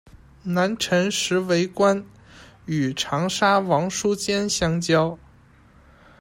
南陈时为官，与长沙王叔坚相交。